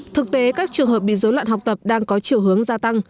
thực tế các trường hợp bị dối loạn học tập đang có chiều hướng gia tăng